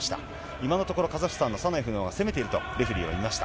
今のところ、カザフスタンのサナエフが攻めているとレフリーは見ました。